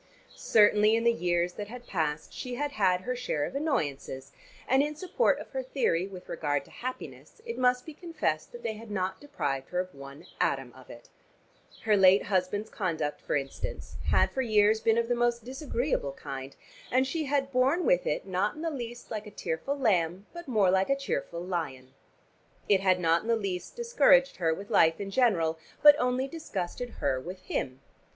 Certainly in the years that had passed she had had her share of annoyances, and in support of her theory with regard to happiness it must be confessed that they had not deprived her of one atom of it. Her late husband's conduct, for instance, had for years been of the most disagreeable kind, and she had borne with it not in the least like a tearful lamb but more like a cheerful lion. It had not in the least discouraged her with life in general, but only disgusted her with him.